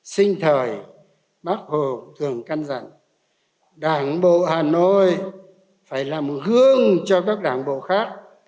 vì vậy bác hồ thường cân rằng đảng bộ hà nội phải làm hướng cho các đảng bộ khác